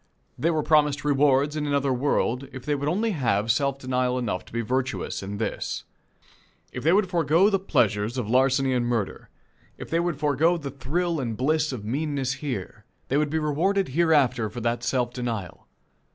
They were promised rewards in another world, if they would only have self denial enough to be virtuous in this. If they would forego the pleasures of larceny and murder; if they would forego the thrill and bliss of meanness here, they would be rewarded hereafter for that self denial.